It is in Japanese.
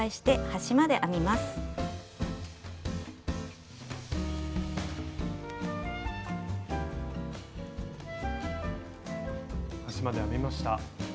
端まで編めました。